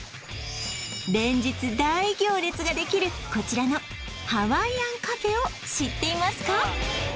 連日大行列ができるこちらのハワイアンカフェを知っていますか？